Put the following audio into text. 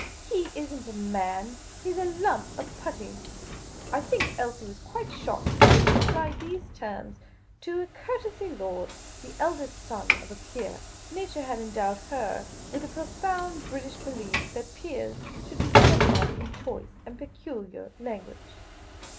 He is n't a man ; he 's a lump of putty !" I think Rlsie was quite shocked that I should apply these terms to a courtesy lord, the eldest son of a peer. Nature NOTHIN') SF.F.MF.P TO VVT THE MAN DOWN. had endowed her with the profound British belief that peers should be spoken of in choice and peculiar language.